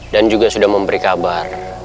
dan juga sudah memberi kabar